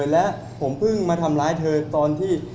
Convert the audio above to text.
และผมเพิ่งมาทำร้ายเธอตอนที่